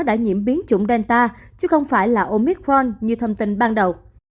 đã nhiễm biến chủng delta chứ không phải là omitron như thông tin ban đầu